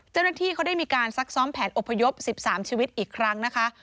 เจ้าหน้าที่เขาได้มีการซักซ้อมแผนอพยพ๑๓ชีวิตอีกครั้งนะคะ